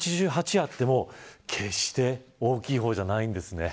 あっても決して大きい方じゃないんですね。